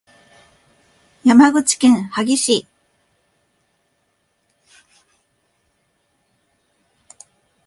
山口県萩市